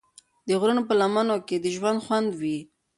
د غرونو په لمنو کې د ژوند خوند وي.